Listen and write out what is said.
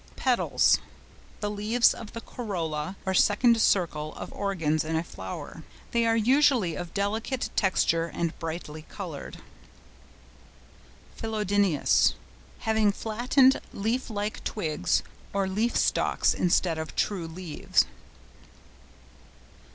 PETALS.—The leaves of the corolla, or second circle of organs in a flower. They are usually of delicate texture and brightly coloured. PHYLLODINEOUS.—Having flattened, leaf like twigs or leafstalks instead of true leaves.